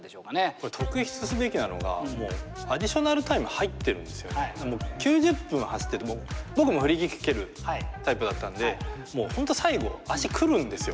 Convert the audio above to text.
これ特筆すべきなのが９０分走ってて僕もフリーキック蹴るタイプだったんでホント最後足くるんですよ。